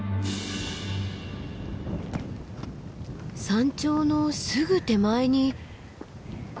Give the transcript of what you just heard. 山頂のすぐ手前に。